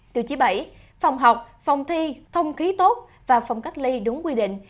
tiêu chí bảy phòng học phòng thi thông khí tốt và phòng cách ly đúng quy định